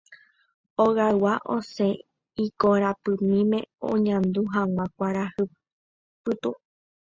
Ogaygua osẽ ikorapymíme oñandu hag̃ua kuarahy pytu